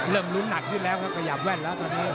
เริ่มลุ้นหนัดที่แรกกระหยาบแว่นแล้วตอนนี้